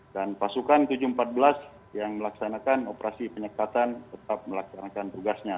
dan pasukan tujuh ratus empat belas yang melaksanakan operasi penyekatan tetap melaksanakan tugasnya